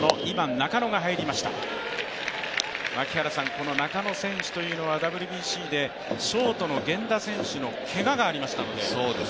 この中野選手というのはＷＢＣでショートの源田選手のけががありましたので。